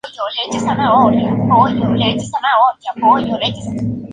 Allí, jugó varios años y se destacó en varios torneos aficionados.